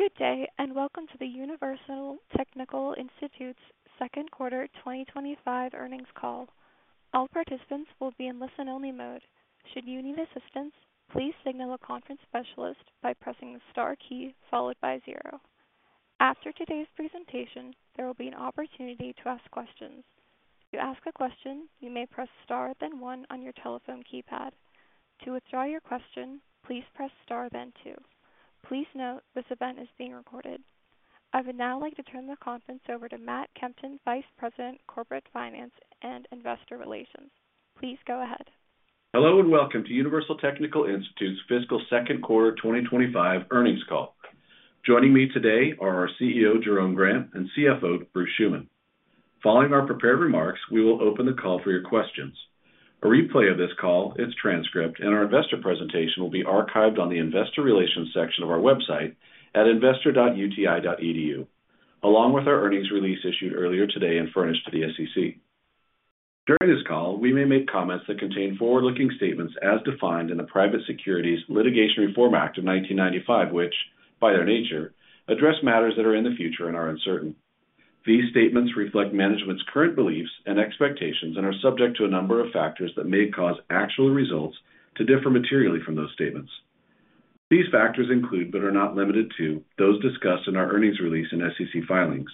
Good day, and welcome to the Universal Technical Institute's second quarter 2025 earnings call. All participants will be in listen-only mode. Should you need assistance, please signal a conference specialist by pressing the star key followed by zero. After today's presentation, there will be an opportunity to ask questions. To ask a question, you may press star then one on your telephone keypad. To withdraw your question, please press star then two. Please note this event is being recorded. I would now like to turn the conference over to Matt Kempton, Vice President, Corporate Finance and Investor Relations. Please go ahead. Hello and welcome to Universal Technical Institute's fiscal second quarter 2025 earnings call. Joining me today are our CEO, Jerome Grant, and CFO, Bruce Schuman. Following our prepared remarks, we will open the call for your questions. A replay of this call, its transcript, and our investor presentation will be archived on the investor relations section of our website at investor.uti.edu, along with our earnings release issued earlier today and furnished to the SEC. During this call, we may make comments that contain forward-looking statements as defined in the Private Securities Litigation Reform Act of 1995, which, by their nature, address matters that are in the future and are uncertain. These statements reflect management's current beliefs and expectations and are subject to a number of factors that may cause actual results to differ materially from those statements. These factors include, but are not limited to, those discussed in our earnings release and SEC filings.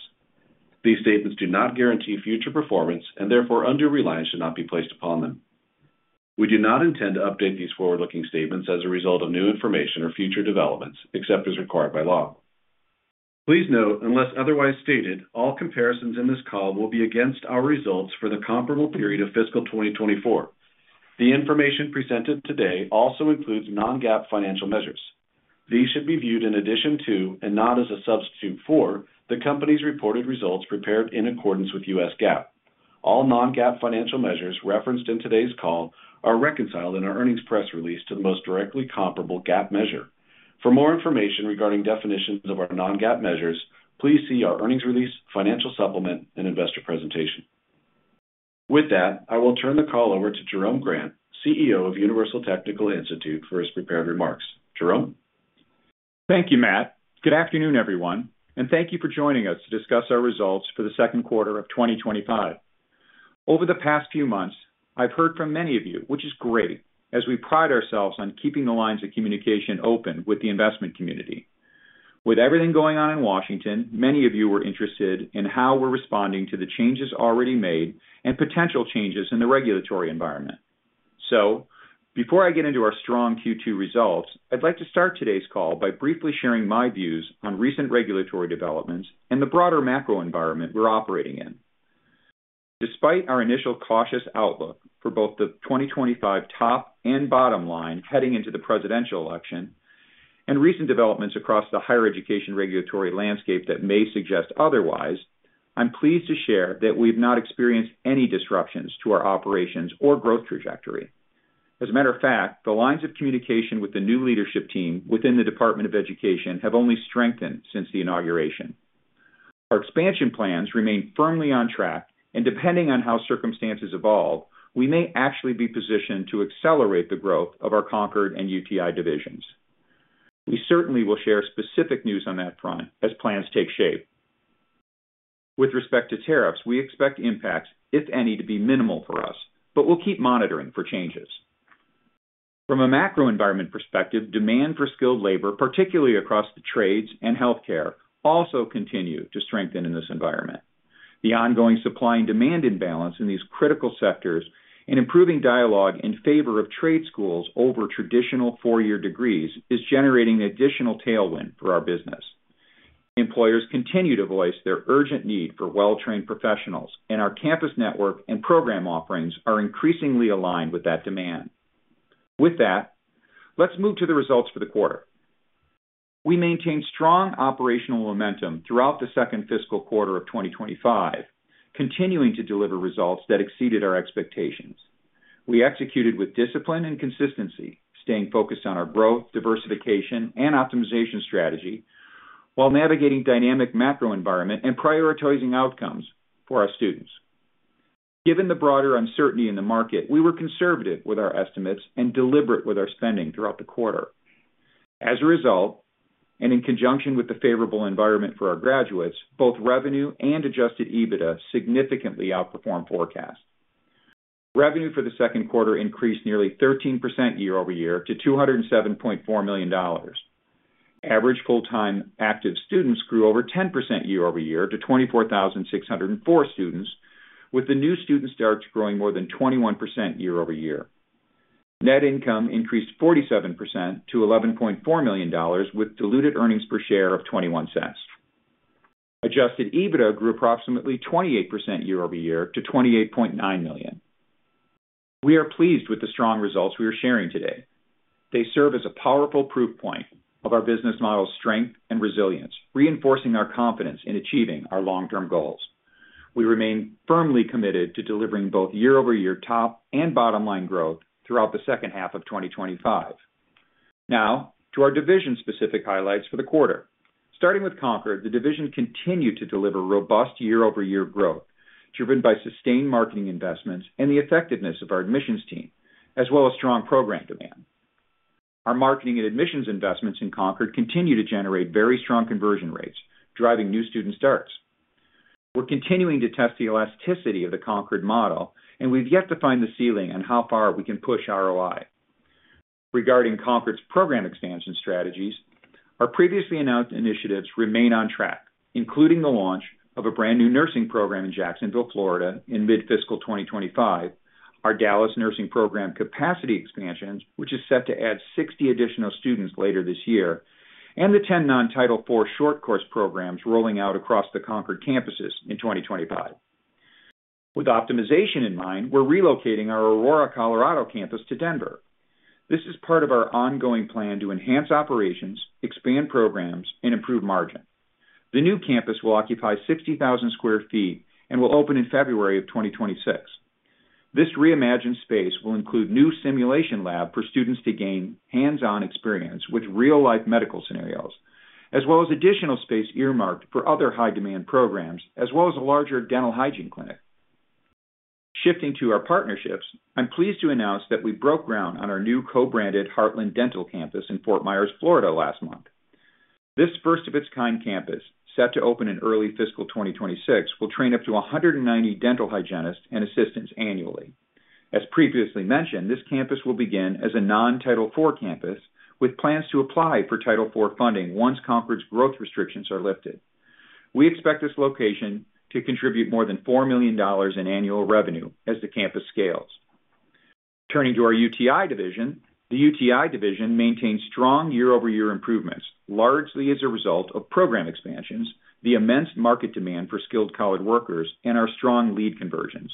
These statements do not guarantee future performance and therefore underwriting should not be placed upon them. We do not intend to update these forward-looking statements as a result of new information or future developments, except as required by law. Please note, unless otherwise stated, all comparisons in this call will be against our results for the comparable period of fiscal 2024. The information presented today also includes non-GAAP financial measures. These should be viewed in addition to, and not as a substitute for, the company's reported results prepared in accordance with U.S. GAAP. All non-GAAP financial measures referenced in today's call are reconciled in our earnings press release to the most directly comparable GAAP measure. For more information regarding definitions of our non-GAAP measures, please see our earnings release, financial supplement, and investor presentation. With that, I will turn the call over to Jerome Grant, CEO of Universal Technical Institute, for his prepared remarks. Jerome. Thank you, Matt. Good afternoon, everyone, and thank you for joining us to discuss our results for the second quarter of 2025. Over the past few months, I've heard from many of you, which is great, as we pride ourselves on keeping the lines of communication open with the investment community. With everything going on in Washington, many of you were interested in how we're responding to the changes already made and potential changes in the regulatory environment. Before I get into our strong Q2 results, I'd like to start today's call by briefly sharing my views on recent regulatory developments and the broader macro environment we're operating in. Despite our initial cautious outlook for both the 2025 top and bottom line heading into the presidential election and recent developments across the higher education regulatory landscape that may suggest otherwise, I'm pleased to share that we've not experienced any disruptions to our operations or growth trajectory. As a matter of fact, the lines of communication with the new leadership team within the Department of Education have only strengthened since the inauguration. Our expansion plans remain firmly on track, and depending on how circumstances evolve, we may actually be positioned to accelerate the growth of our Concorde and UTI divisions. We certainly will share specific news on that front as plans take shape. With respect to tariffs, we expect impacts, if any, to be minimal for us, but we'll keep monitoring for changes. From a macro environment perspective, demand for skilled labor, particularly across the trades and healthcare, also continues to strengthen in this environment. The ongoing supply and demand imbalance in these critical sectors and improving dialogue in favor of trade schools over traditional four-year degrees is generating additional tailwind for our business. Employers continue to voice their urgent need for well-trained professionals, and our campus network and program offerings are increasingly aligned with that demand. With that, let's move to the results for the quarter. We maintained strong operational momentum throughout the second fiscal quarter of 2025, continuing to deliver results that exceeded our expectations. We executed with discipline and consistency, staying focused on our growth, diversification, and optimization strategy while navigating the dynamic macro environment and prioritizing outcomes for our students. Given the broader uncertainty in the market, we were conservative with our estimates and deliberate with our spending throughout the quarter. As a result, and in conjunction with the favorable environment for our graduates, both revenue and adjusted EBITDA significantly outperformed forecast. Revenue for the second quarter increased nearly 13% year over year to $207.4 million. Average full-time active students grew over 10% year over year to 24,604 students, with the new student starts growing more than 21% year over year. Net income increased 47% to $11.4 million, with diluted earnings per share of $0.21. Adjusted EBITDA grew approximately 28% year over year to $28.9 million. We are pleased with the strong results we are sharing today. They serve as a powerful proof point of our business model's strength and resilience, reinforcing our confidence in achieving our long-term goals. We remain firmly committed to delivering both year-over-year top and bottom line growth throughout the second half of 2025. Now, to our division-specific highlights for the quarter. Starting with Concorde, the division continued to deliver robust year-over-year growth driven by sustained marketing investments and the effectiveness of our admissions team, as well as strong program demand. Our marketing and admissions investments in Concorde continue to generate very strong conversion rates, driving new student starts. We're continuing to test the elasticity of the Concorde model, and we've yet to find the ceiling on how far we can push ROI. Regarding Concorde's program expansion strategies, our previously announced initiatives remain on track, including the launch of a brand new Nursing Program in Jacksonville, Florida, in mid-fiscal 2025, our Dallas Nursing Program capacity expansions, which is set to add 60 additional students later this year, and the 10 non-Title IV short course programs rolling out across the Concorde campuses in 2025. With optimization in mind, we're relocating our Aurora, Colorado campus to Denver. This is part of our ongoing plan to enhance operations, expand programs, and improve margin. The new campus will occupy 60,000 square fit and will open in February of 2026. This reimagined space will include new simulation labs for students to gain hands-on experience with real-life medical scenarios, as well as additional space earmarked for other high-demand programs, as well as a larger Dental Hygiene Clinic. Shifting to our partnerships, I'm pleased to announce that we broke ground on our new co-branded Heartland Dental campus in Fort Myers, Florida, last month. This first-of-its-kind campus, set to open in early fiscal 2026, will train up to 190 dental hygienists and assistants annually. As previously mentioned, this campus will begin as a non-Title IV campus with plans to apply for Title IV funding once Concorde's growth restrictions are lifted. We expect this location to contribute more than $4 million in annual revenue as the campus scales. Turning to our UTI division, the UTI division maintains strong year-over-year improvements, largely as a result of program expansions, the immense market demand for skilled college workers, and our strong lead conversions.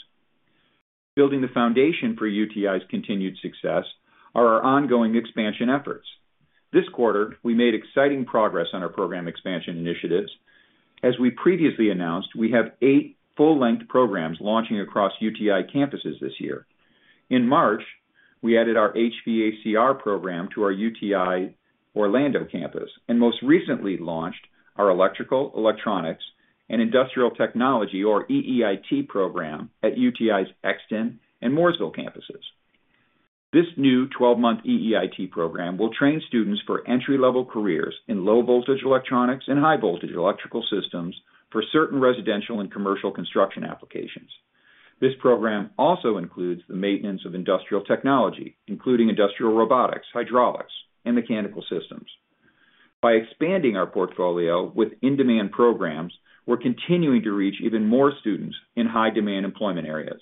Building the foundation for UTI's continued success are our ongoing expansion efforts. This quarter, we made exciting progress on our program expansion initiatives. As we previously announced, we have eight full-length programs launching across UTI campuses this year. In March, we added our HVACR program to our UTI Orlando campus and most recently launched our Electrical, Electronics, and Industrial Technology, or EEIT, program at UTI's Exton and Mooresville campuses. This new 12-month EEIT program will train students for entry-level careers in low-voltage electronics and high-voltage electrical systems for certain residential and commercial construction applications. This program also includes the maintenance of industrial technology, including industrial robotics, hydraulics, and mechanical systems. By expanding our portfolio with in-demand programs, we're continuing to reach even more students in high-demand employment areas.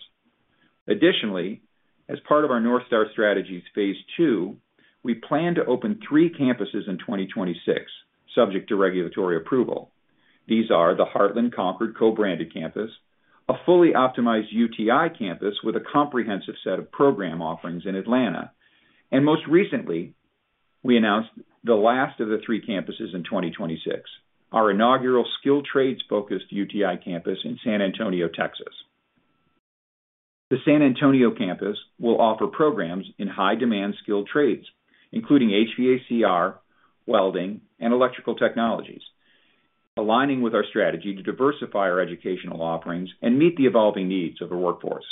Additionally, as part of our North Star Strategies phase two, we plan to open three campuses in 2026, subject to regulatory approval. These are the Heartland Concorde co-branded campus, a fully optimized UTI campus with a comprehensive set of program offerings in Atlanta, and most recently, we announced the last of the three campuses in 2026, our inaugural skilled trades-focused UTI campus in San Antonio, Texas. The San Antonio campus will offer programs in high-demand skilled trades, including HVACR, welding, and electrical technologies, aligning with our strategy to diversify our educational offerings and meet the evolving needs of the workforce.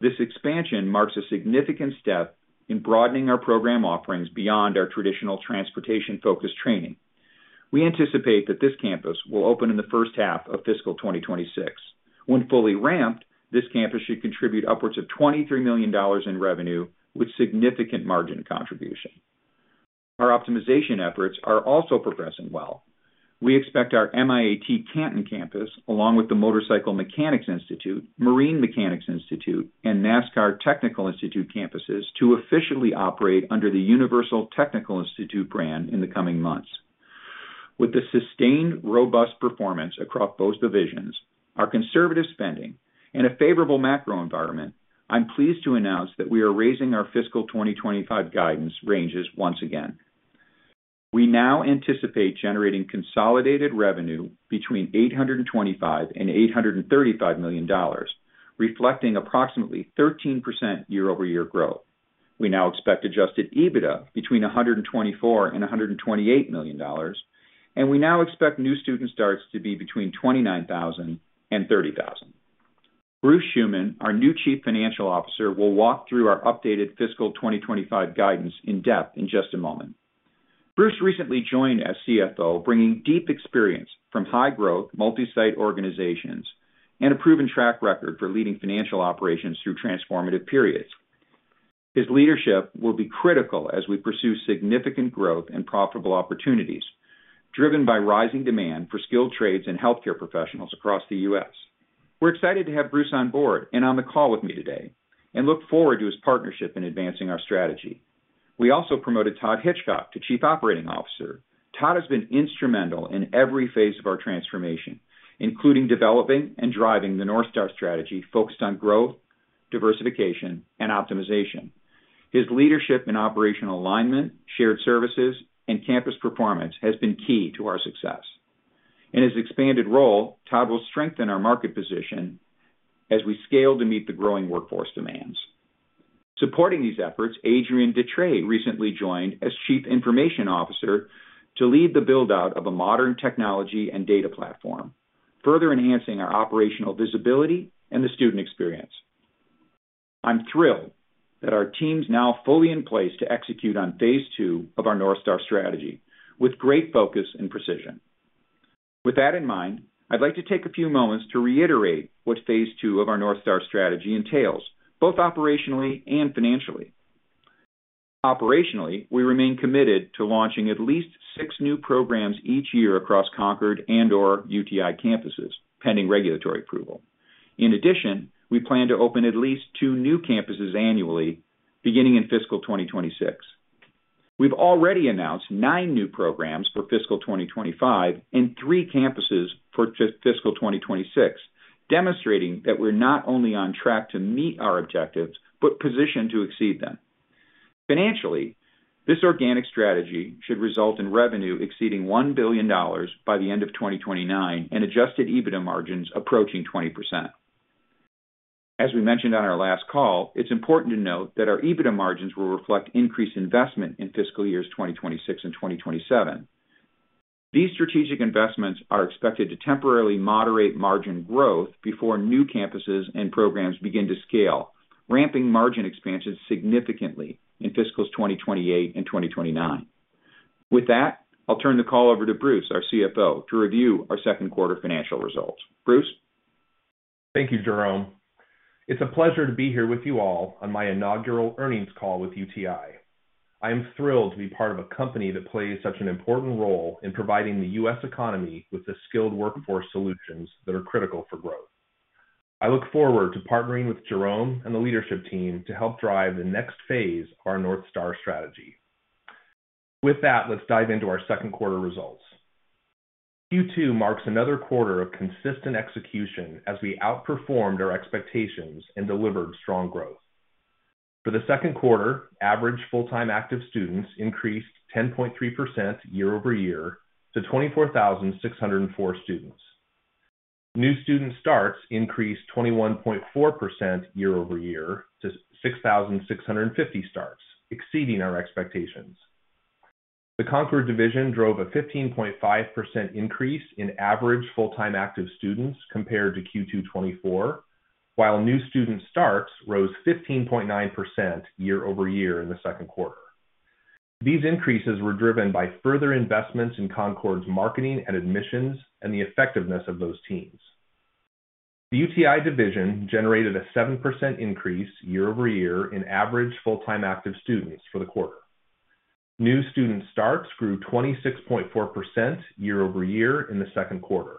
This expansion marks a significant step in broadening our program offerings beyond our traditional transportation-focused training. We anticipate that this campus will open in the first half of fiscal 2026. When fully ramped, this campus should contribute upwards of $23 million in revenue with significant margin contribution. Our optimization efforts are also progressing well. We expect our MIAT Canton campus, along with the Motorcycle Mechanics Institute, Marine Mechanics Institute, and NASCAR Technical Institute campuses to officially operate under the Universal Technical Institute brand in the coming months. With the sustained robust performance across both divisions, our conservative spending, and a favorable macro environment, I'm pleased to announce that we are raising our fiscal 2025 guidance ranges once again. We now anticipate generating consolidated revenue between $825 million and $835 million, reflecting approximately 13% year-over-year growth. We now expect adjusted EBITDA between $124 million and $128 million, and we now expect new student starts to be between 29,000 and 30,000. Bruce Schuman, our new Chief Financial Officer, will walk through our updated fiscal 2025 guidance in depth in just a moment. Bruce recently joined as CFO, bringing deep experience from high-growth multi-site organizations and a proven track record for leading financial operations through transformative periods. His leadership will be critical as we pursue significant growth and profitable opportunities driven by rising demand for skilled trades and healthcare professionals across the U.S. We're excited to have Bruce on board and on the call with me today and look forward to his partnership in advancing our strategy. We also promoted Todd Hitchcock to Chief Operating Officer. Todd has been instrumental in every phase of our transformation, including developing and driving the North Star Strategy focused on growth, diversification, and optimization. His leadership in operational alignment, shared services, and campus performance has been key to our success. In his expanded role, Todd will strengthen our market position as we scale to meet the growing workforce demands. Supporting these efforts, Adrian Dutré recently joined as Chief Information Officer to lead the build-out of a modern technology and data platform, further enhancing our operational visibility and the student experience. I'm thrilled that our team's now fully in place to execute on Phase Two of our North Star Strategy with great focus and precision. With that in mind, I'd like to take a few moments to reiterate what Phase Two of our North Star Strategy entails, both operationally and financially. Operationally, we remain committed to launching at least six new programs each year across Concorde and/or UTI campuses pending regulatory approval. In addition, we plan to open at least two new campuses annually beginning in fiscal 2026. We've already announced nine new programs for fiscal 2025 and three campuses for fiscal 2026, demonstrating that we're not only on track to meet our objectives but positioned to exceed them. Financially, this organic strategy should result in revenue exceeding $1 billion by the end of 2029 and adjusted EBITDA margins approaching 20%. As we mentioned on our last call, it's important to note that our EBITDA margins will reflect increased investment in fiscal years 2026 and 2027. These strategic investments are expected to temporarily moderate margin growth before new campuses and programs begin to scale, ramping margin expansions significantly in fiscal 2028 and 2029. With that, I'll turn the call over to Bruce, our CFO, to review our second quarter financial results. Bruce? Thank you, Jerome. It's a pleasure to be here with you all on my inaugural earnings call with UTI. I am thrilled to be part of a company that plays such an important role in providing the U.S. economy with the skilled workforce solutions that are critical for growth. I look forward to partnering with Jerome and the leadership team to help drive the next phase of our North Star Strategy. With that, let's dive into our second quarter results. Q2 marks another quarter of consistent execution as we outperformed our expectations and delivered strong growth. For the second quarter, average full-time active students increased 10.3% year over year to 24,604 students. New student starts increased 21.4% year over year to 6,650 starts, exceeding our expectations. The Concorde division drove a 15.5% increase in average full-time active students compared to Q2 2024, while new student starts rose 15.9% year over year in the second quarter. These increases were driven by further investments in Concorde's marketing and admissions and the effectiveness of those teams. The UTI division generated a 7% increase year over year in average full-time active students for the quarter. New student starts grew 26.4% year over year in the second quarter.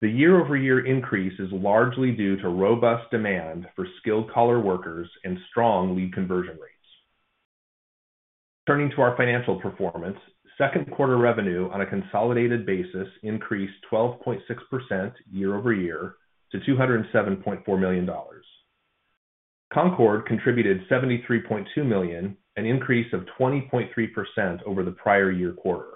The year-over-year increase is largely due to robust demand for skilled color workers and strong lead conversion rates. Turning to our financial performance, second quarter revenue on a consolidated basis increased 12.6% year over year to $207.4 million. Concorde contributed $73.2 million, an increase of 20.3% over the prior year quarter,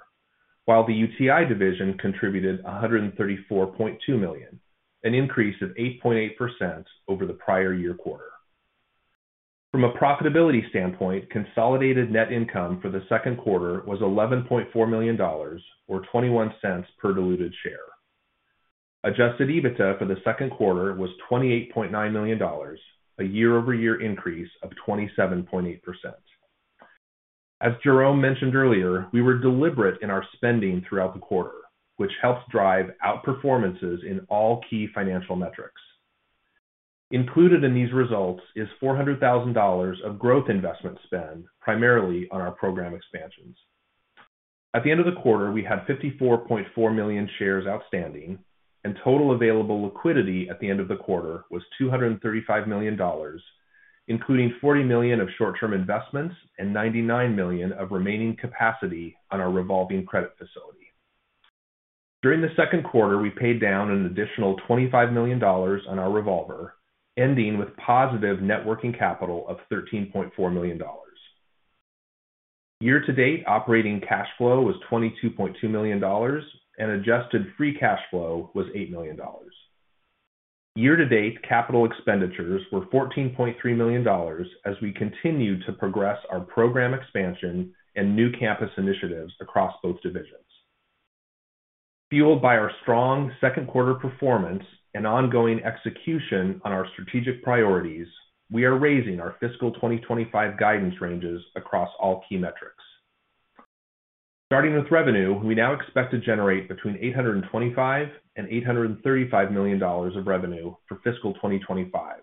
while the UTI division contributed $134.2 million, an increase of 8.8% over the prior year quarter. From a profitability standpoint, consolidated net income for the second quarter was $11.4 million, or $0.21 per diluted share. Adjusted EBITDA for the second quarter was $28.9 million, a year-over-year increase of 27.8%. As Jerome mentioned earlier, we were deliberate in our spending throughout the quarter, which helps drive outperformances in all key financial metrics. Included in these results is $400,000 of growth investment spend, primarily on our program expansions. At the end of the quarter, we had 54.4 million shares outstanding, and total available liquidity at the end of the quarter was $235 million, including $40 million of short-term investments and $99 million of remaining capacity on our revolving credit facility. During the second quarter, we paid down an additional $25 million on our revolver, ending with positive net working capital of $13.4 million. Year-to-date operating cash flow was $22.2 million, and adjusted free cash flow was $8 million. Year-to-date capital expenditures were $14.3 million as we continue to progress our program expansion and new campus initiatives across both divisions. Fueled by our strong second quarter performance and ongoing execution on our strategic priorities, we are raising our fiscal 2025 guidance ranges across all key metrics. Starting with revenue, we now expect to generate between $825 million and $835 million of revenue for fiscal 2025,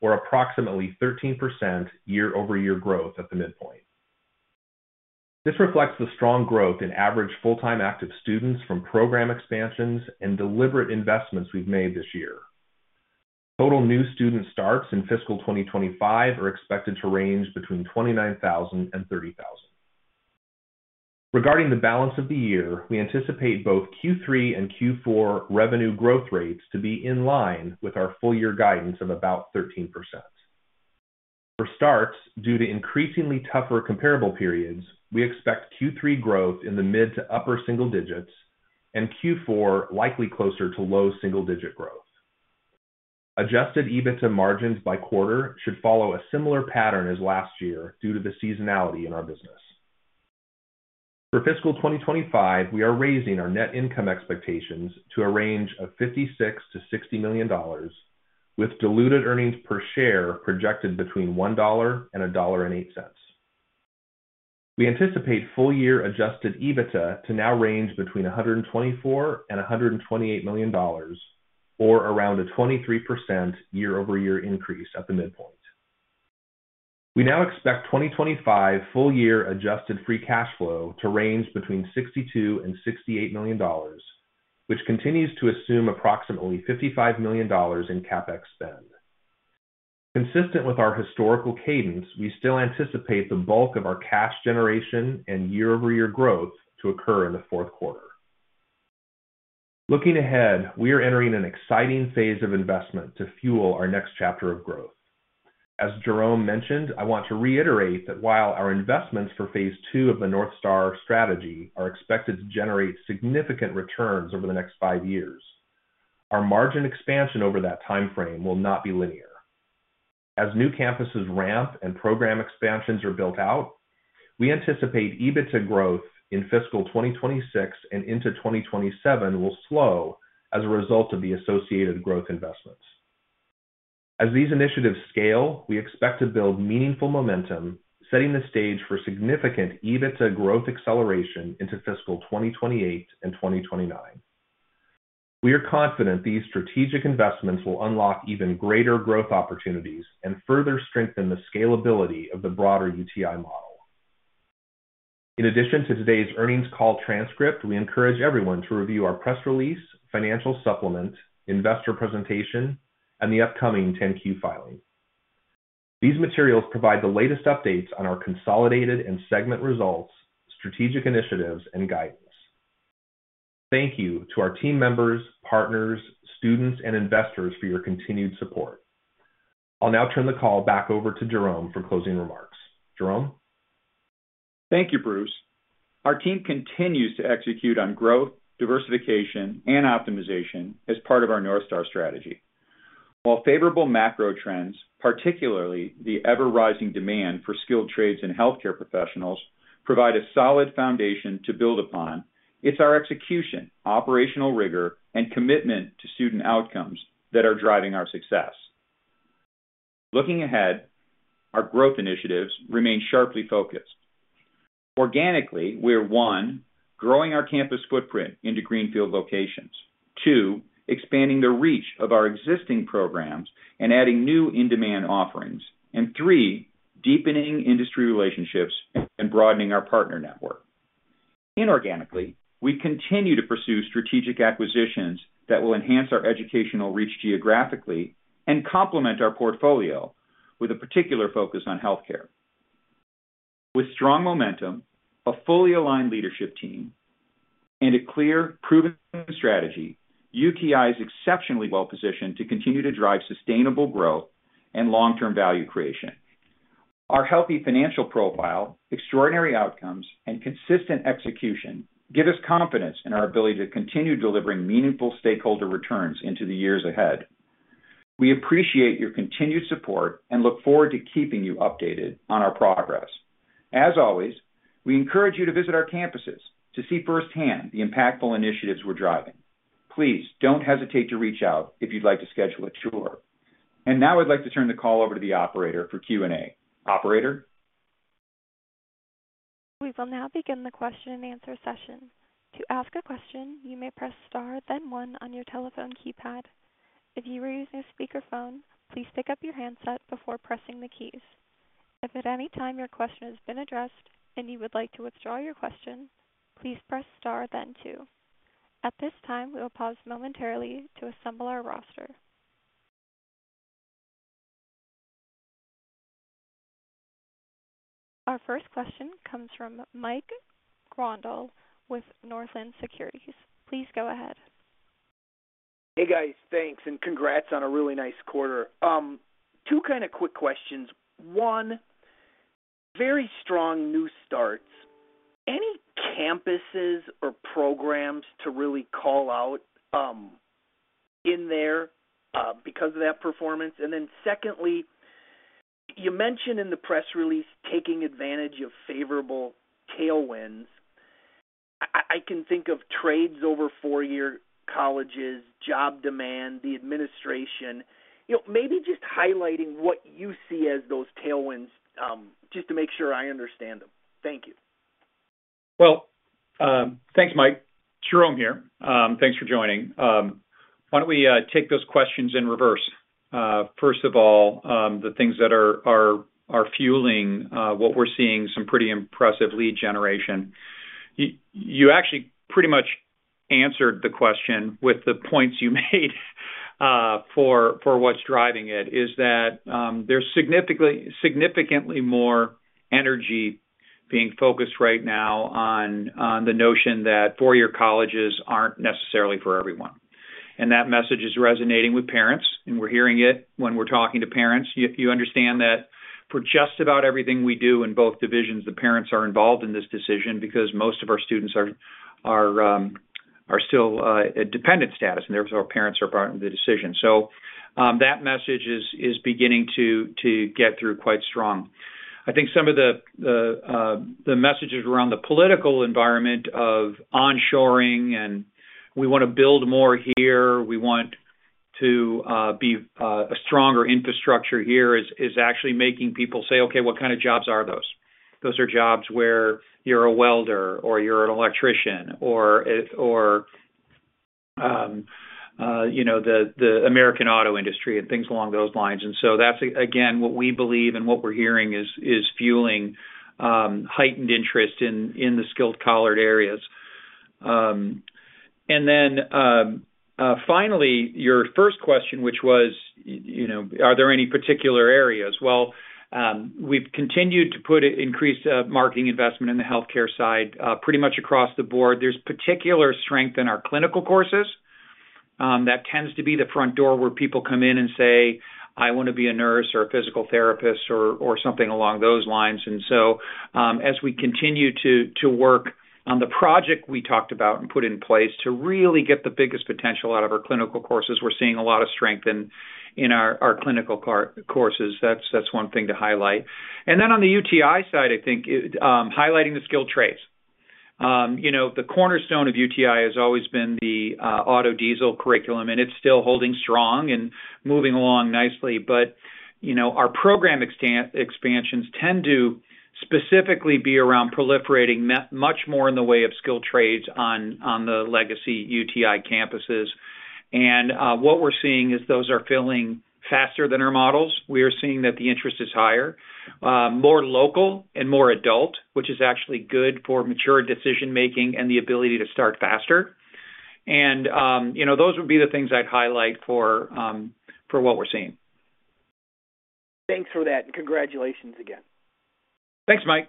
or approximately 13% year-over-year growth at the midpoint. This reflects the strong growth in average full-time active students from program expansions and deliberate investments we've made this year. Total new student starts in fiscal 2025 are expected to range between 29,000 and 30,000. Regarding the balance of the year, we anticipate both Q3 and Q4 revenue growth rates to be in line with our full-year guidance of about 13%. For starts, due to increasingly tougher comparable periods, we expect Q3 growth in the mid to upper single digits and Q4 likely closer to low single-digit growth. Adjusted EBITDA margins by quarter should follow a similar pattern as last year due to the seasonality in our business. For fiscal 2025, we are raising our net income expectations to a range of $56-$60 million, with diluted earnings per share projected between $1 and $1.08. We anticipate full-year adjusted EBITDA to now range between $124-$128 million, or around a 23% year-over-year increase at the midpoint. We now expect 2025 full-year adjusted free cash flow to range between $62-$68 million, which continues to assume approximately $55 million in CapEx spend. Consistent with our historical cadence, we still anticipate the bulk of our cash generation and year-over-year growth to occur in the fourth quarter. Looking ahead, we are entering an exciting phase of investment to fuel our next chapter of growth. As Jerome mentioned, I want to reiterate that while our investments for phase two of the North Star Strategy are expected to generate significant returns over the next five years, our margin expansion over that timeframe will not be linear. As new campuses ramp and program expansions are built out, we anticipate EBITDA growth in fiscal 2026 and into 2027 will slow as a result of the associated growth investments. As these initiatives scale, we expect to build meaningful momentum, setting the stage for significant EBITDA growth acceleration into fiscal 2028 and 2029. We are confident these strategic investments will unlock even greater growth opportunities and further strengthen the scalability of the broader UTI model. In addition to today's earnings call transcript, we encourage everyone to review our press release, financial supplement, investor presentation, and the upcoming 10-Q filing. These materials provide the latest updates on our consolidated and segment results, strategic initiatives, and guidance. Thank you to our team members, partners, students, and investors for your continued support. I'll now turn the call back over to Jerome for closing remarks. Jerome? Thank you, Bruce. Our team continues to execute on growth, diversification, and optimization as part of our North Star Strategy. While favorable macro trends, particularly the ever-rising demand for skilled trades and healthcare professionals, provide a solid foundation to build upon, it's our execution, operational rigor, and commitment to student outcomes that are driving our success. Looking ahead, our growth initiatives remain sharply focused. Organically, we're: one, growing our campus footprint into greenfield locations; two, expanding the reach of our existing programs and adding new in-demand offerings; and three, deepening industry relationships and broadening our partner network. Inorganically, we continue to pursue strategic acquisitions that will enhance our educational reach geographically and complement our portfolio with a particular focus on healthcare. With strong momentum, a fully aligned leadership team, and a clear, proven strategy, UTI is exceptionally well-positioned to continue to drive sustainable growth and long-term value creation. Our healthy financial profile, extraordinary outcomes, and consistent execution give us confidence in our ability to continue delivering meaningful stakeholder returns into the years ahead. We appreciate your continued support and look forward to keeping you updated on our progress. As always, we encourage you to visit our campuses to see firsthand the impactful initiatives we're driving. Please don't hesitate to reach out if you'd like to schedule a tour. Now I'd like to turn the call over to the operator for Q&A. Operator? We will now begin the question-and-answer session. To ask a question, you may press Star, then 1 on your telephone keypad. If you are using a speakerphone, please pick up your handset before pressing the keys. If at any time your question has been addressed and you would like to withdraw your question, please press Star, then 2. At this time, we will pause momentarily to assemble our roster. Our first question comes from Mike Gwandel with Northland Securities. Please go ahead. Hey, guys. Thanks, and congrats on a really nice quarter. Two kind of quick questions. One, very strong new starts. Any campuses or programs to really call out in there because of that performance? Then secondly, you mentioned in the press release taking advantage of favorable tailwinds. I can think of trades over four-year colleges, job demand, the administration. Maybe just highlighting what you see as those tailwinds just to make sure I understand them. Thank you. Thanks, Mike. Jerome here. Thanks for joining. Why don't we take those questions in reverse? First of all, the things that are fueling what we're seeing, some pretty impressive lead generation. You actually pretty much answered the question with the points you made for what's driving it, is that there's significantly more energy being focused right now on the notion that four-year colleges aren't necessarily for everyone. That message is resonating with parents, and we're hearing it when we're talking to parents. You understand that for just about everything we do in both divisions, the parents are involved in this decision because most of our students are still in dependent status, and therefore, parents are part of the decision. That message is beginning to get through quite strong. I think some of the messages around the political environment of onshoring and, "We want to build more here. We want to be a stronger infrastructure here," is actually making people say, "Okay, what kind of jobs are those?" Those are jobs where you're a welder or you're an electrician or the American auto industry and things along those lines. That's, again, what we believe and what we're hearing is fueling heightened interest in the skilled-colored areas. Finally, your first question, which was, "Are there any particular areas?" We've continued to put increased marketing investment in the healthcare side pretty much across the board. There's particular strength in our clinical courses. That tends to be the front door where people come in and say, "I want to be a nurse or a physical therapist or something along those lines." As we continue to work on the project we talked about and put in place to really get the biggest potential out of our clinical courses, we're seeing a lot of strength in our clinical courses. That's one thing to highlight. On the UTI side, I think highlighting the skilled trades. The cornerstone of UTI has always been the autodiesel curriculum, and it's still holding strong and moving along nicely. Our program expansions tend to specifically be around proliferating much more in the way of skilled trades on the legacy UTI campuses. What we're seeing is those are filling faster than our models. We are seeing that the interest is higher, more local, and more adult, which is actually good for mature decision-making and the ability to start faster. Those would be the things I'd highlight for what we're seeing. Thanks for that, and congratulations again. Thanks, Mike.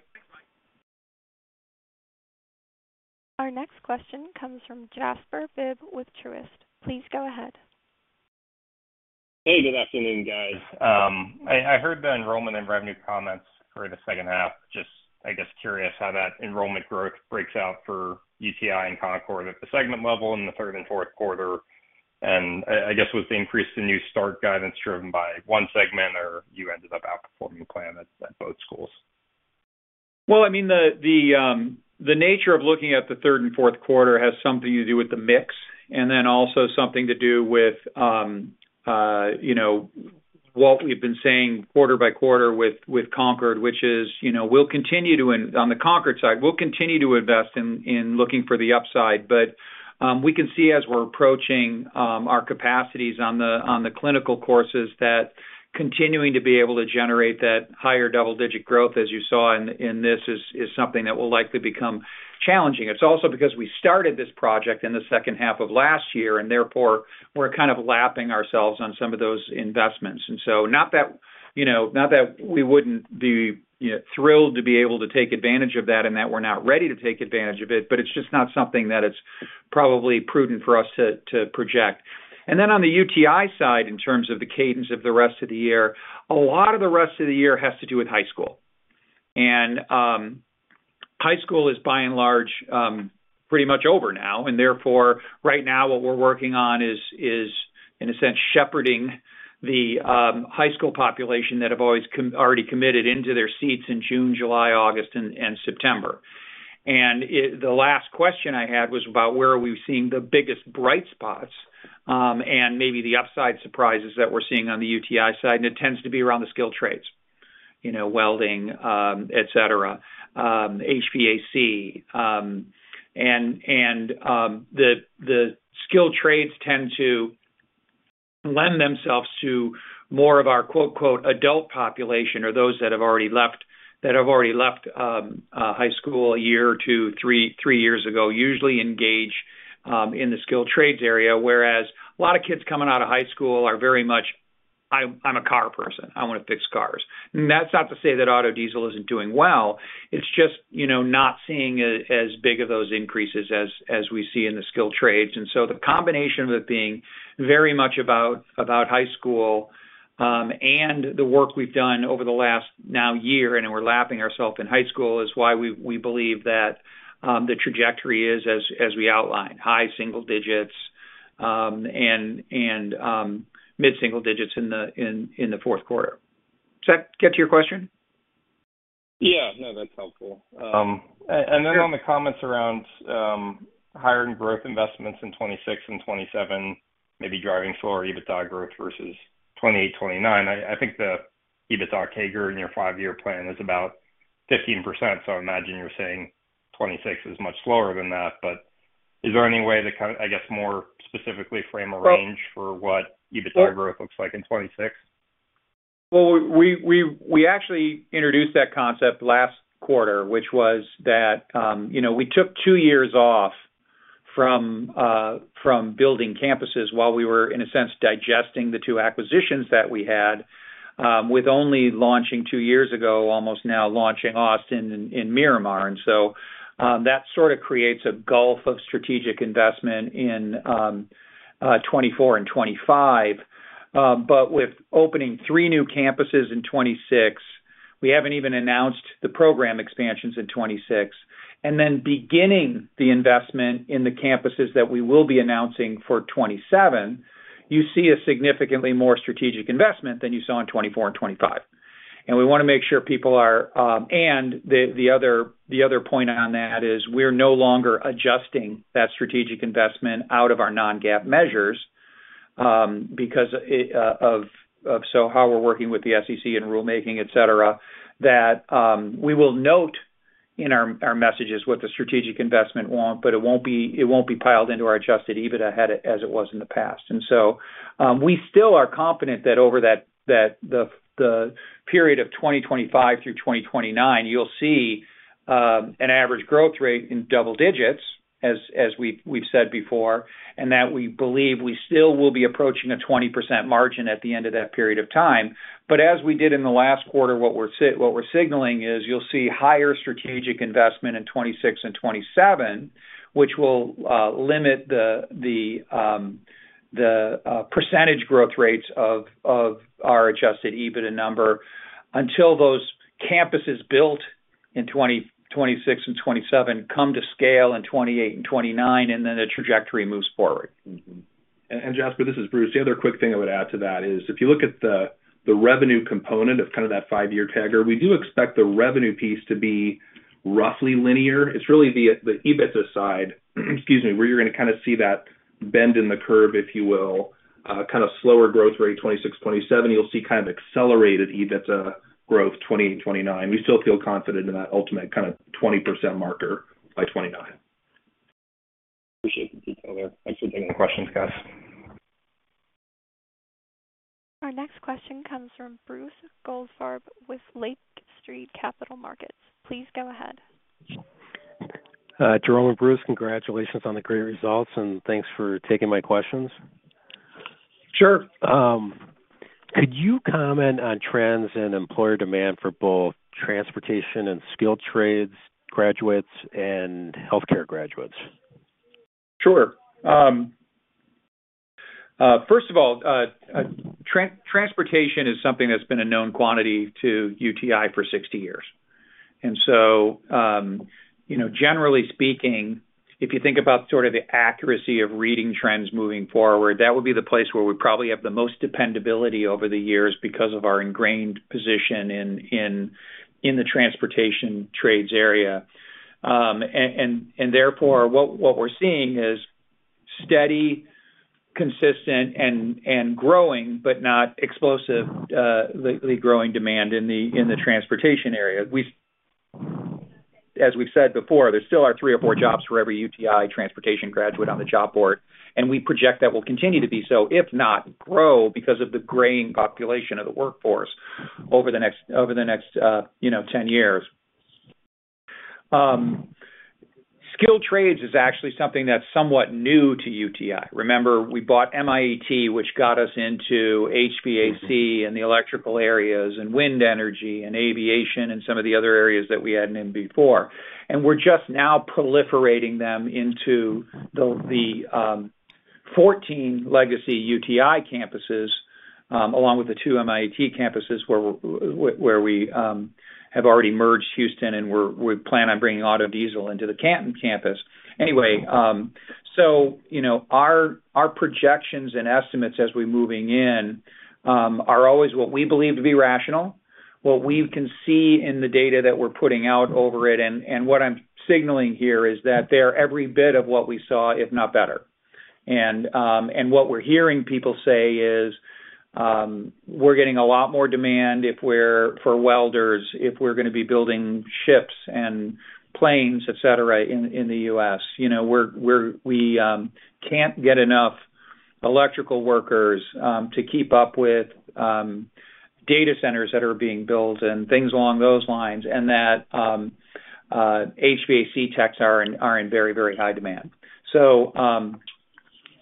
Our next question comes from Jasper Bibb with Truist. Please go ahead. Hey, good afternoon, guys. I heard the enrollment and revenue comments for the second half. Just, I guess, curious how that enrollment growth breaks out for UTI and Concorde at the segment level in the third and fourth quarter. I guess with the increase in new start guidance driven by one segment, or you ended up outperforming the plan at both schools? I mean, the nature of looking at the third and fourth quarter has something to do with the mix and then also something to do with what we've been saying quarter by quarter with Concorde, which is we'll continue to, on the Concorde side, we'll continue to invest in looking for the upside. We can see as we're approaching our capacities on the clinical courses that continuing to be able to generate that higher double-digit growth, as you saw in this, is something that will likely become challenging. It's also because we started this project in the second half of last year, and therefore, we're kind of lapping ourselves on some of those investments. Not that we would not be thrilled to be able to take advantage of that and that we are not ready to take advantage of it, but it is just not something that is probably prudent for us to project. On the UTI side, in terms of the cadence of the rest of the year, a lot of the rest of the year has to do with high school. High school is, by and large, pretty much over now. Therefore, right now, what we are working on is, in a sense, shepherding the high school population that have already committed into their seats in June, July, August, and September. The last question I had was about where are we seeing the biggest bright spots and maybe the upside surprises that we are seeing on the UTI side. It tends to be around the skilled trades, welding, etc., HVAC. The skilled trades tend to lend themselves to more of our "adult population" or those that have already left high school a year or two, three years ago, usually engage in the skilled trades area, whereas a lot of kids coming out of high school are very much, "I'm a car person. I want to fix cars." That is not to say that autodiesel is not doing well. It is just not seeing as big of those increases as we see in the skilled trades. The combination of it being very much about high school and the work we have done over the last now year, and we are lapping ourselves in high school, is why we believe that the trajectory is, as we outlined, high single digits and mid-single digits in the fourth quarter. Does that get to your question? Yeah. No, that's helpful. And then on the comments around hiring growth investments in '26 and '27, maybe driving slower EBITDA growth versus 2028, 2029, I think the EBITDA CAGR in your five-year plan is about 15%. So I imagine you're saying 2026 is much slower than that. But is there any way to, I guess, more specifically frame a range for what EBITDA growth looks like in '26? We actually introduced that concept last quarter, which was that we took two years off from building campuses while we were, in a sense, digesting the two acquisitions that we had, with only launching two years ago, almost now launching Austin and Miramar. And so that sort of creates a gulf of strategic investment in 2024 and 2025. With opening three new campuses in 2026, we have not even announced the program expansions in 2026. Then beginning the investment in the campuses that we will be announcing for 2027, you see a significantly more strategic investment than you saw in 2024 and 2025. We want to make sure people are—and the other point on that is we are no longer adjusting that strategic investment out of our non-GAAP measures because of how we are working with the SEC and rulemaking, etc., that we will note in our messages what the strategic investment was, but it will not be piled into our adjusted EBITDA as it was in the past. We still are confident that over the period of 2025 through 2029, you'll see an average growth rate in double digits, as we've said before, and that we believe we still will be approaching a 20% margin at the end of that period of time. As we did in the last quarter, what we're signaling is you'll see higher strategic investment in 2026 and 2027, which will limit the percentage growth rates of our adjusted EBITDA number until those campuses built in 2026 and 2027 come to scale in 2028 and 2029, and then the trajectory moves forward. Jasper, this is Bruce. The other quick thing I would add to that is if you look at the revenue component of kind of that five-year CAGR, we do expect the revenue piece to be roughly linear. It's really the EBITDA side, excuse me, where you're going to kind of see that bend in the curve, if you will, kind of slower growth rate 2026, 2027. You'll see kind of accelerated EBITDA growth 2028, 2029. We still feel confident in that ultimate kind of 20% marker by 2029. Appreciate the detail there. Thanks for taking the questions, guys. Our next question comes from Bruce Goldthorpe with Lake Street Capital Markets. Please go ahead. Jerome and Bruce, congratulations on the great results, and thanks for taking my questions. Sure. Could you comment on trends in employer demand for both transportation and skilled trades graduates and healthcare graduates? Sure. First of all, transportation is something that's been a known quantity to UTI for 60 years. Generally speaking, if you think about sort of the accuracy of reading trends moving forward, that would be the place where we probably have the most dependability over the years because of our ingrained position in the transportation trades area. Therefore, what we're seeing is steady, consistent, and growing, but not explosively growing demand in the transportation area. As we've said before, there still are three or four jobs for every UTI transportation graduate on the job board, and we project that will continue to be so, if not grow, because of the graying population of the workforce over the next 10 years. Skilled trades is actually something that's somewhat new to UTI. Remember, we bought MIAT, which got us into HVACR and the electrical areas and wind energy and aviation and some of the other areas that we hadn't in before. We're just now proliferating them into the 14 legacy UTI campuses along with the two MIAT campuses where we have already merged Houston, and we plan on bringing autodiesel into the Canton campus. Anyway, our projections and estimates as we're moving in are always what we believe to be rational, what we can see in the data that we're putting out over it. What I'm signaling here is that they're every bit of what we saw, if not better. What we're hearing people say is we're getting a lot more demand for welders if we're going to be building ships and planes, etc., in the U.S. We can't get enough electrical workers to keep up with data centers that are being built and things along those lines, and that HVAC techs are in very, very high demand.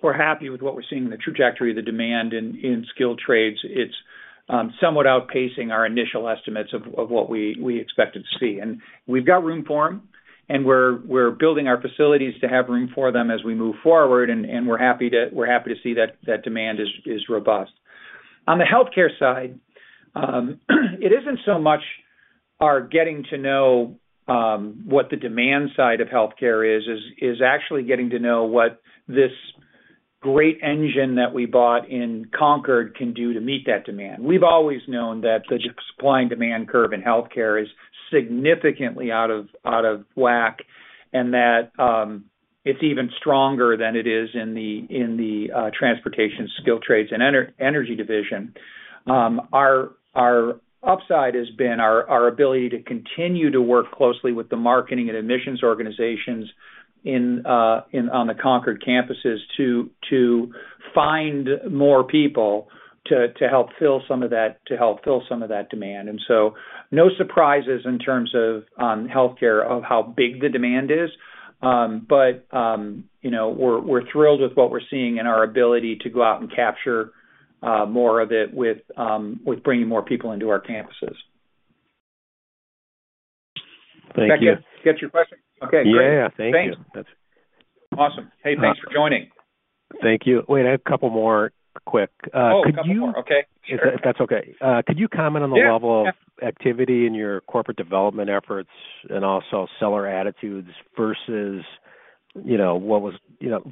We're happy with what we're seeing in the trajectory of the demand in skilled trades. It's somewhat outpacing our initial estimates of what we expected to see. We've got room for them, and we're building our facilities to have room for them as we move forward, and we're happy to see that demand is robust. On the healthcare side, it isn't so much our getting to know what the demand side of healthcare is, it's actually getting to know what this great engine that we bought in Concorde can do to meet that demand. We've always known that the supply and demand curve in healthcare is significantly out of whack and that it's even stronger than it is in the transportation skilled trades and energy division. Our upside has been our ability to continue to work closely with the marketing and admissions organizations on the Concorde campuses to find more people to help fill some of that demand. No surprises in terms of healthcare of how big the demand is. We are thrilled with what we are seeing and our ability to go out and capture more of it with bringing more people into our campuses. Thank you. Did that get your question? Okay. Great. Yeah. Thank you. Awesome. Hey, thanks for joining. Thank you. Wait, I have a couple more quick. Oh, a couple more. Okay. Sure. That is okay. Could you comment on the level of activity in your corporate development efforts and also seller attitudes versus what was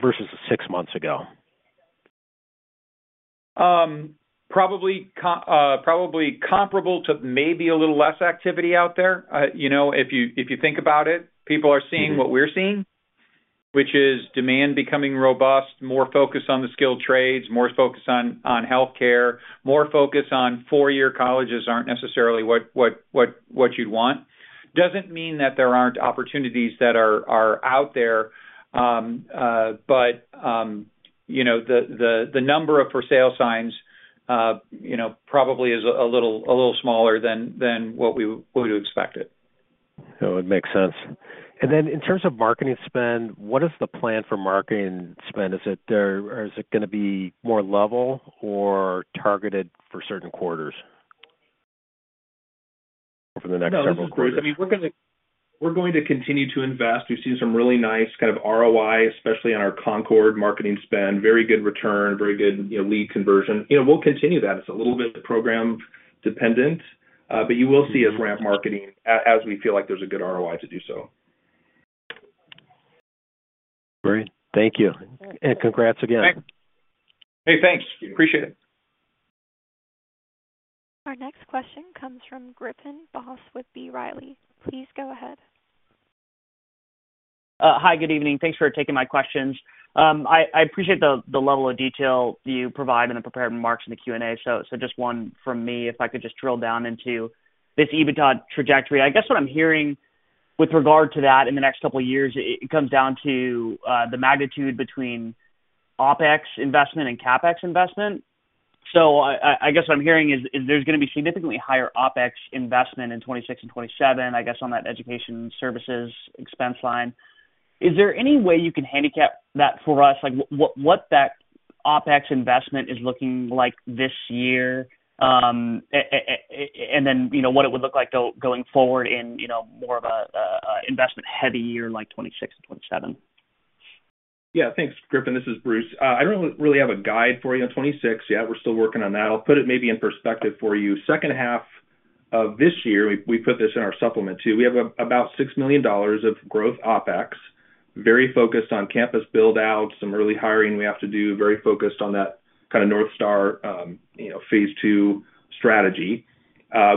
versus six months ago? Probably comparable to maybe a little less activity out there. If you think about it, people are seeing what we're seeing, which is demand becoming robust, more focus on the skilled trades, more focus on healthcare, more focus on four-year colleges aren't necessarily what you'd want. Doesn't mean that there aren't opportunities that are out there, but the number of for sale signs probably is a little smaller than what we would expect it. No, it makes sense. In terms of marketing spend, what is the plan for marketing spend? Is it going to be more level or targeted for certain quarters or for the next several quarters? I mean, we're going to continue to invest. We've seen some really nice kind of ROI, especially on our Concorde marketing spend, very good return, very good lead conversion. We'll continue that. It's a little bit program-dependent, but you will see us ramp marketing as we feel like there's a good ROI to do so. Great. Thank you. And congrats again. Hey, thanks. Appreciate it. Our next question comes from Griffin Boss with B. Riley. Please go ahead. Hi, good evening. Thanks for taking my questions. I appreciate the level of detail you provide and the prepared remarks in the Q&A. So just one from me, if I could just drill down into this EBITDA trajectory. I guess what I'm hearing with regard to that in the next couple of years, it comes down to the magnitude between OPEX investment and CapEx investment. So I guess what I'm hearing is there's going to be significantly higher OPEX investment in 2026 and 2027, I guess, on that education services expense line. Is there any way you can handicap that for us? What that OPEX investment is looking like this year and then what it would look like going forward in more of an investment-heavy year like 2026 and 2027? Yeah. Thanks, Griffin. This is Bruce. I do not really have a guide for you on 2026 yet. We are still working on that. I will put it maybe in perspective for you. Second half of this year, we put this in our supplement too, we have about $6 million of growth OPEX, very focused on campus build-out, some early hiring we have to do, very focused on that kind of North Star phase two strategy.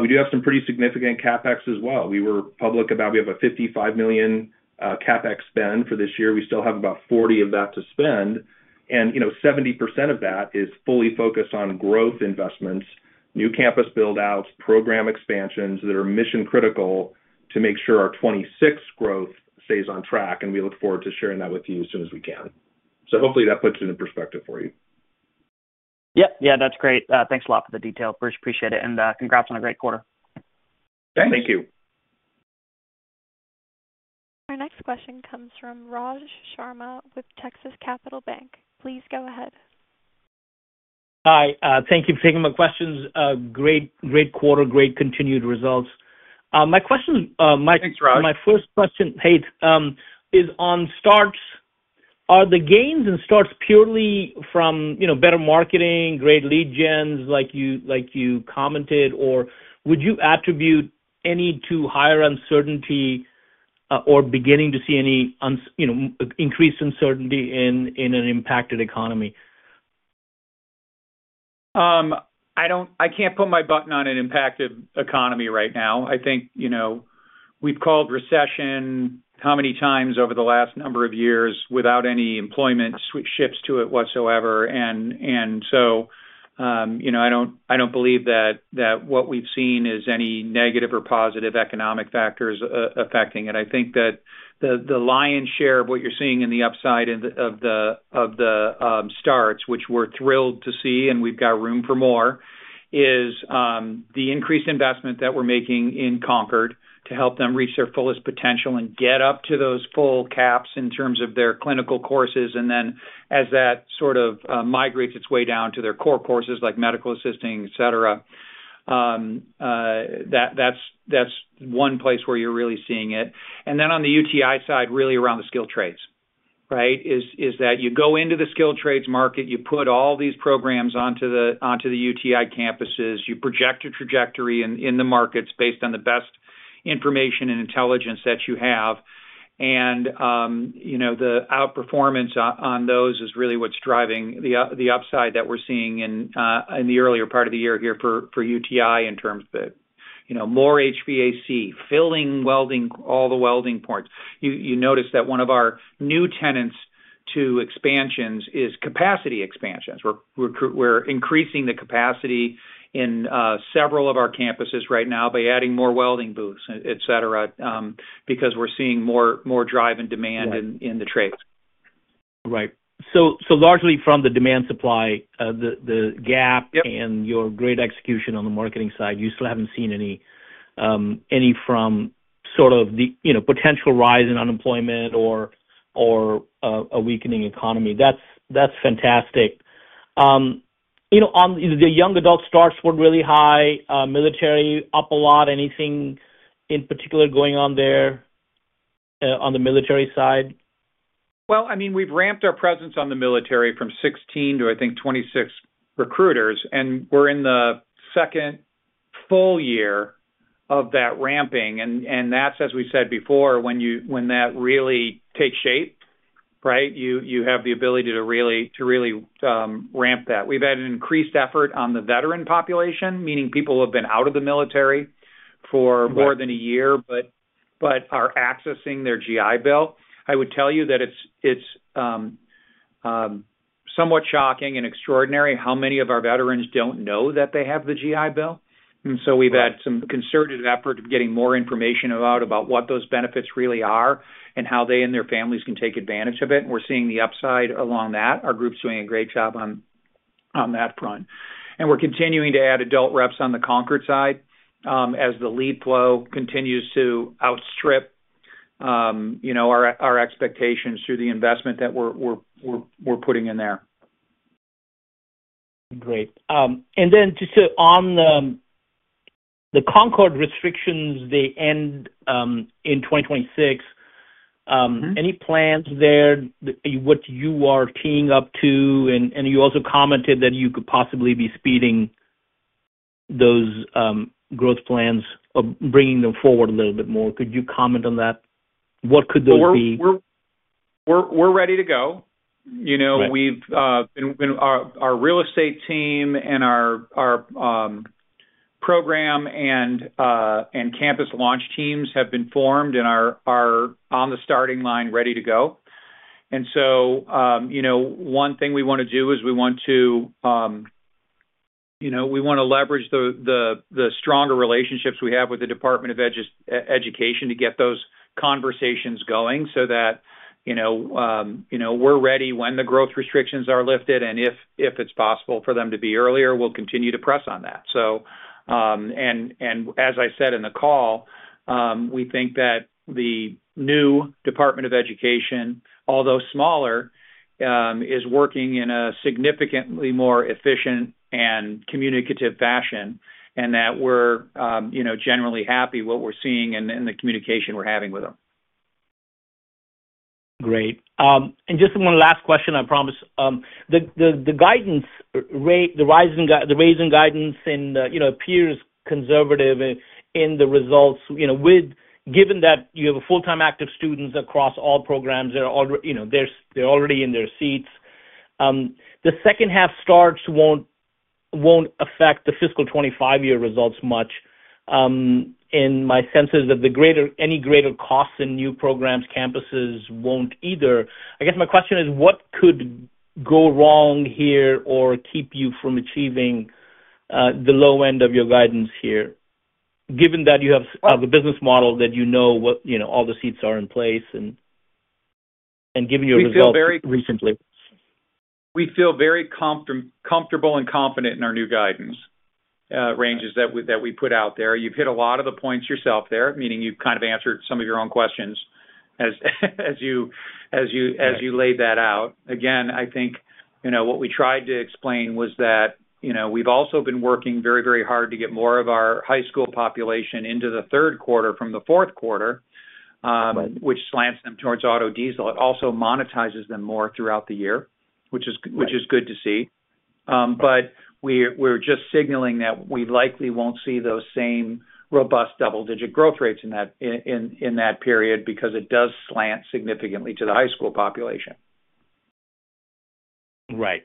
We do have some pretty significant CapEx as well. We were public about we have a $55 million CapEx spend for this year. We still have about $40 million of that to spend, and 70% of that is fully focused on growth investments, new campus build-outs, program expansions that are mission-critical to make sure our 2026 growth stays on track, and we look forward to sharing that with you as soon as we can. Hopefully that puts it in perspective for you. Yep. Yeah, that's great. Thanks a lot for the detail. Bruce, appreciate it. And congrats on a great quarter. Thanks. Thank you. Our next question comes from Raj Sharma with Texas Capital Bank. Please go ahead. Hi. Thank you for taking my questions. Great quarter, great continued results. My question is my first question, hey, is on starts. Are the gains in starts purely from better marketing, great lead gens like you commented, or would you attribute any to higher uncertainty or beginning to see any increased uncertainty in an impacted economy? I can't put my button on an impacted economy right now. I think we've called recession how many times over the last number of years without any employment shifts to it whatsoever. I don't believe that what we've seen is any negative or positive economic factors affecting it. I think that the lion's share of what you're seeing in the upside of the starts, which we're thrilled to see and we've got room for more, is the increased investment that we're making in Concorde to help them reach their fullest potential and get up to those full caps in terms of their clinical courses. As that sort of migrates its way down to their core courses like medical assisting, etc., that is one place where you are really seeing it. On the UTI side, really around the skilled trades, right, you go into the skilled trades market, you put all these programs onto the UTI campuses, you project a trajectory in the markets based on the best information and intelligence that you have. The outperformance on those is really what is driving the upside that we are seeing in the earlier part of the year here for UTI in terms of more HVAC, filling all the welding points. You notice that one of our new tenets to expansions is capacity expansions. We are increasing the capacity in several of our campuses right now by adding more welding booths, etc., because we are seeing more drive and demand in the trades. Right. Largely from the demand-supply, the gap, and your great execution on the marketing side, you still have not seen any from sort of the potential rise in unemployment or a weakening economy. That is fantastic. The young adult starts were really high, military up a lot. Anything in particular going on there on the military side? I mean, we have ramped our presence on the military from 16 to, I think, 26 recruiters, and we are in the second full year of that ramping. That is, as we said before, when that really takes shape, right? You have the ability to really ramp that. We have had an increased effort on the veteran population, meaning people who have been out of the military for more than a year but are accessing their GI Bill. I would tell you that it's somewhat shocking and extraordinary how many of our veterans don't know that they have the GI Bill. We've had some concerted effort of getting more information about what those benefits really are and how they and their families can take advantage of it. We're seeing the upside along that. Our group's doing a great job on that front. We're continuing to add adult reps on the Concorde side as the lead flow continues to outstrip our expectations through the investment that we're putting in there. Great. Just on the Concorde restrictions, they end in 2026. Any plans there? What you are keying up to? You also commented that you could possibly be speeding those growth plans or bringing them forward a little bit more. Could you comment on that? What could those be? We're ready to go. Our real estate team and our program and campus launch teams have been formed and are on the starting line ready to go. One thing we want to do is we want to leverage the stronger relationships we have with the Department of Education to get those conversations going so that we're ready when the growth restrictions are lifted. If it's possible for them to be earlier, we'll continue to press on that. As I said in the call, we think that the new Department of Education, although smaller, is working in a significantly more efficient and communicative fashion and that we're generally happy with what we're seeing and the communication we're having with them. Great. Just one last question, I promise. The guidance, the raising guidance, and it appears conservative in the results. Given that you have full-time active students across all programs, they're already in their seats, the second half starts won't affect the fiscal 2025 year results much. In my sense, any greater costs in new programs, campuses won't either. I guess my question is, what could go wrong here or keep you from achieving the low end of your guidance here, given that you have a business model that you know all the seats are in place and given your results recently? We feel very comfortable and confident in our new guidance ranges that we put out there. You've hit a lot of the points yourself there, meaning you've kind of answered some of your own questions as you laid that out. Again, I think what we tried to explain was that we've also been working very, very hard to get more of our high school population into the third quarter from the fourth quarter, which slants them towards auto diesel. It also monetizes them more throughout the year, which is good to see. We are just signaling that we likely won't see those same robust double-digit growth rates in that period because it does slant significantly to the high school population. Right.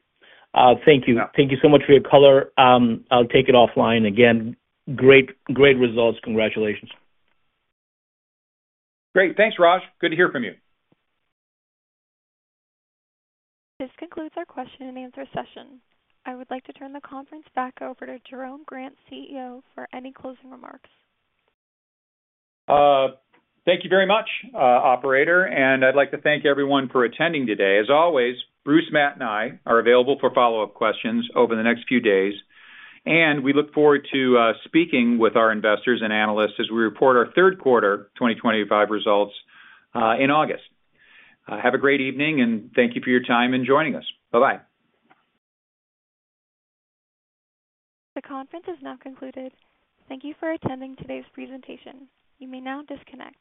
Thank you. Thank you so much for your color. I'll take it offline. Again, great results. Congratulations. Great. Thanks, Raj. Good to hear from you. This concludes our question and answer session. I would like to turn the conference back over to Jerome Grant, CEO, for any closing remarks. Thank you very much, Operator. I would like to thank everyone for attending today. As always, Bruce, Matt, and I are available for follow-up questions over the next few days. We look forward to speaking with our investors and analysts as we report our third quarter 2025 results in August. Have a great evening and thank you for your time and joining us. Bye-bye. The conference is now concluded. Thank you for attending today's presentation. You may now disconnect.